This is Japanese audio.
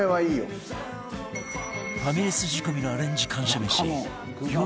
ファミレス仕込みのアレンジ感謝飯